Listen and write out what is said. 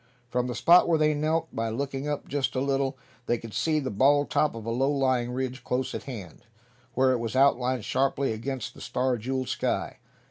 From the spot where they knelt, by looking up just a little, they could see the bald top of a low lying ridge close at hand, where it was outlined sharply against the star jeweled sky.